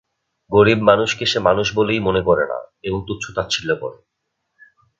গরীব মানুষকে সে মানুষ বলেই মনে করে না এবং তুচ্ছ-তাচ্ছিল্য করে।